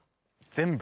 全部！？